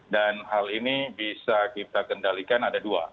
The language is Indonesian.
dan hal ini bisa kita kendalikan ada dua